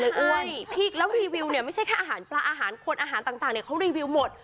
พี่แล้วรีวิวเนี่ยไม่ใช่แค่อาหารปลาอาหารคนอาหารต่างเนี่ยเขารีวิวหมด